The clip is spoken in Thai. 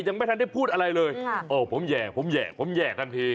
ยังไม่ทันได้พูดอะไรเลยโอประแบบผมแห่งทันที